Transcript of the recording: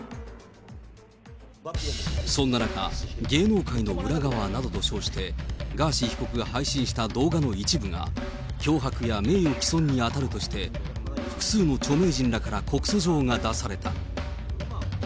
そんな中、芸能界の裏側などと称して、ガーシー被告が配信した動画の一部が、脅迫や名誉毀損に当たるとして、複数の著名人らから告訴状が出された。